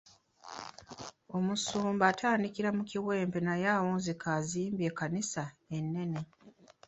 Omusumba atandikira mu kiwempe naye awunzika azimbye ekkanisa enene.